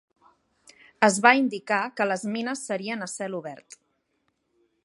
Es va indicar que les mines serien a cel obert.